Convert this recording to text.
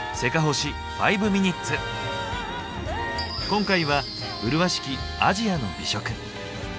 今回は麗しき「アジアの美食」。